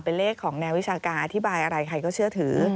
เป็นเลขของแนววิชาการอธิบายอะไรใครก็เชื่อถือ